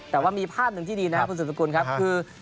แต่ว่ามีภาพหนึ่งที่ดีนะคะคุณศึกษากุญคือ